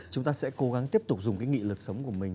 chúng ta sẽ cố gắng tiếp tục dùng cái nghị lực sống của mình